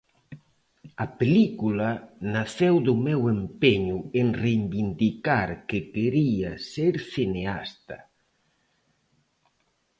A película naceu do meu empeño en reivindicar que quería ser cineasta.